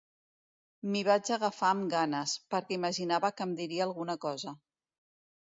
M'hi vaig agafar amb ganes, perquè imaginava que em diria alguna cosa.